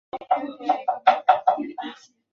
第四王朝的首都在孟菲斯。